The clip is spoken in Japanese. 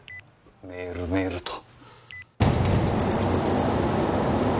メールメールと。